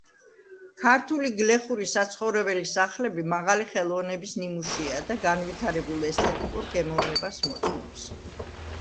ქართული გლეხური საცხოვრებელი სახლები მაღალი ხელოვნების ნიმუშია და განვითარებულ ესთეტიკურ გემოვნებას მოწმობს.